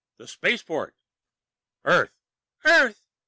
The Spaceport!" "Earth!" "_Earth!